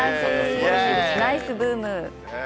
ナイスブーム。